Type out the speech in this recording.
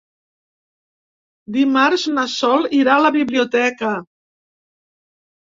Dimarts na Sol irà a la biblioteca.